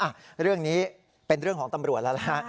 เรื่องนี้เป็นเรื่องของตำรวจแล้วนะฮะ